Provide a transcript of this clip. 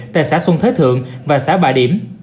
tại xã xuân thế thượng và xã bà điểm